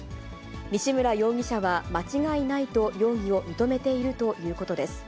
西村容疑者は、間違いないと容疑を認めているということです。